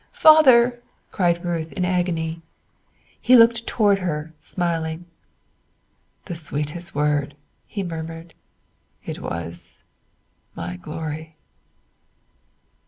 "Father!" cried Ruth in agony. He looked toward her smiling. "The sweetest word," he murmured; "it was my glory."